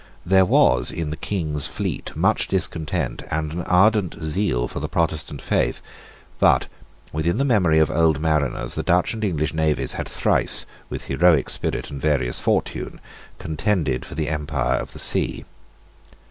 There was, in the King's fleet, much discontent and an ardent zeal for the Protestant faith. But within the memory of old mariners the Dutch and English navies had thrice, with heroic spirit and various fortune, contended for the empire of the sea.